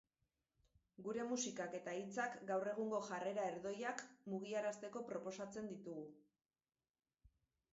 Gure musikak eta hitzak gaur egungo jarrera erdoilak mugiarazteko proposatzen ditugu.